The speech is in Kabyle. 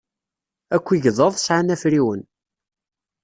Akk igḍaḍ sɛan afriwen.